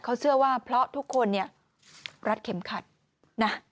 เขาเชื่อว่าเพราะทุกคนเนี่ยรัดเข็มขัดนะ